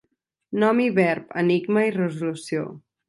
Nom i verb, enigma i resolució.